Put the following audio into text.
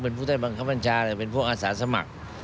เป็นพวกใต้บังคัมพันธาเป็นพวกอาสาสมัคร